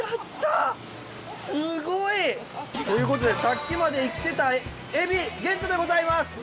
すごい！ということでさっきまで生きてたエビゲットでございます！